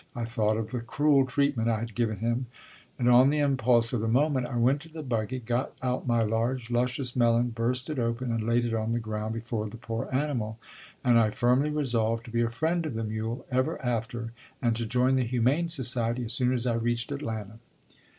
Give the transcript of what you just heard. I thought of the cruel treatment I had given him, and on the impulse of the moment I went to the buggy, got out my large, luscious melon, burst it open and laid it on the ground before the poor animal; and I firmly resolved to be a friend of the mule ever after, and to join the Humane Society as soon as I reached Atlanta.